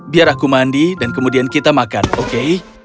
biar aku mandi dan kemudian kita makan oke